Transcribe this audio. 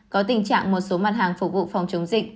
có tình trạng một số mặt hàng phục vụ phòng chống dịch